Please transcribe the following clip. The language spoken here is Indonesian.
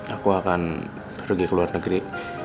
aku akan pergi ke luar negeri